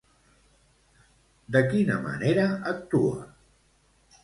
De quina manera actua?